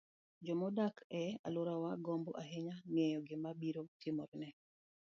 joma odak e alworano gombo ahinya ng'eyo gima biro timore ne